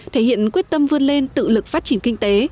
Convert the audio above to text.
thể hiện quyết tâm vươn lên tự lực phát triển kinh tế